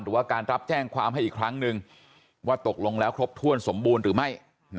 หรือว่าการรับแจ้งความให้อีกครั้งนึงว่าตกลงแล้วครบถ้วนสมบูรณ์หรือไม่